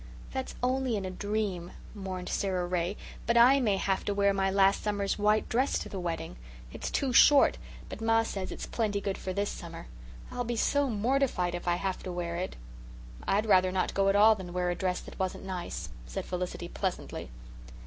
"That's only in a dream," mourned Sara Ray, "but I may have to wear my last summer's white dress to the wedding. It's too short, but ma says it's plenty good for this summer. I'll be so mortified if I have to wear it." "I'd rather not go at all than wear a dress that wasn't nice," said Felicity pleasantly.